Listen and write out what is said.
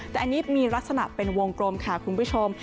แต่อันนี้มีลักษณะเป็นวงกลมค่ะคุณผู้ชม